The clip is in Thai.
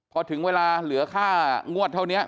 พอถึงเวลาเหลือค่างวดเท่านี้